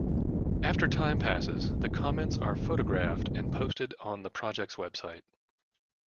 After time passes, the comments are photographed and posted on the project's website.